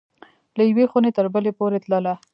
له یوې خوني تر بلي پوری تلله